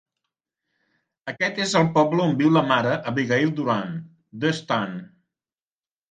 Aquest és el poble on viu la Mare Abigail durant "The Stand".